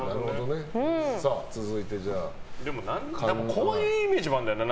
こういうイメージもあるんだよな。